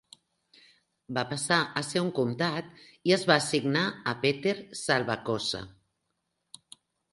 Va passar a ser un comtat, i es va assignar a Peter Salvacossa.